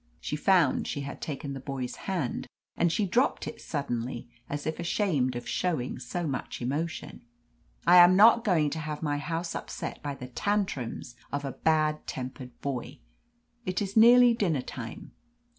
She found she had taken the boy's hand, and she dropped it suddenly, as if ashamed of showing so much emotion. "I am not going to have my house upset by the tantrums of a bad tempered boy. It is nearly dinner time.